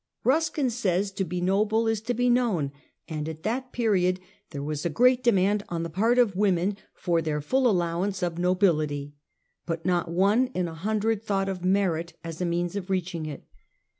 Euskin says to be noble is to be known, and at that period there was a great demand on the part of women for their full allowance of nobility; but not one in a hundred thought of merit as a means of reaching it.